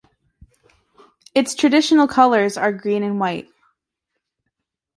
Its traditional colours are green and white.